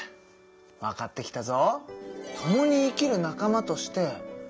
わかってきたぞ！